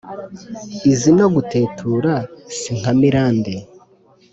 izi no gutetura, si nkamirande: